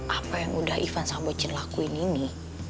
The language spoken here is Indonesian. apa yang udah ivan sambocin lakuin ini